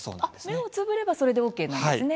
目をつぶればそれでＯＫなんですね。